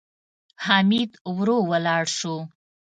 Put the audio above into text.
حميد ورو ولاړ شو.